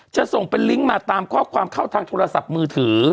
ส่งเป็นลิงก์มาตามข้อความเข้าทางโทรศัพท์มือถือ